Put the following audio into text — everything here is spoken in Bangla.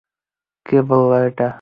কে বলল এটা?